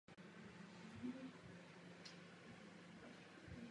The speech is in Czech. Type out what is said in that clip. Tento rozsah nelze rozšířit.